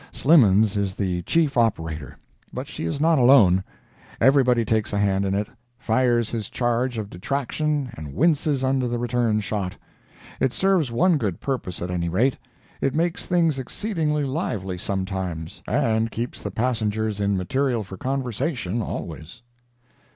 Slimmens is the chief operator, but she is not alone. Everybody takes a hand in it—fires his charge of detraction and winces under the return shot. It serves one good purpose at any rate—it makes things exceedingly lively some times, and keeps the passengers in material for conversation always.